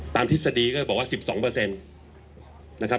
ตามทฤษฎีก็จะบอกว่า๑๒